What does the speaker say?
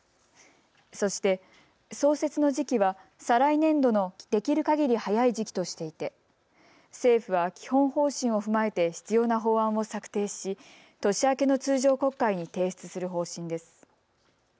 そして、創設の時期は再来年度のできるかぎり早い時期としていて政府は基本方針を踏まえて必要な法案を策定し年明けの通常国会に提出する方針です。